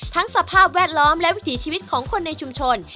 สภาพแวดล้อมและวิถีชีวิตของคนในชุมชน